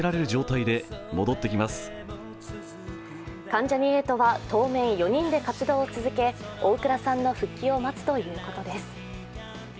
関ジャニ∞は当面４人で活動を続け大倉さんの復帰を待つということです。